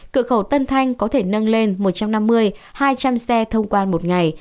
cửa khẩu tân thanh có thể nâng lên một trăm năm mươi hai trăm linh xe thông quan một ngày